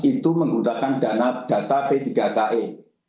itu menggunakan dana data p tiga ki